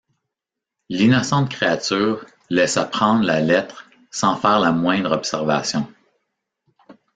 L’innocente créature laissa prendre la lettre sans faire la moindre observation.